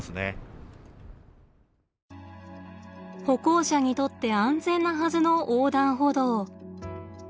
歩行者にとって安全なはずの横断歩道。